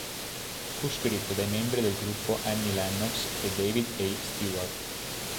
Fu scritto da i membri del gruppo Annie Lennox e David A. Stewart.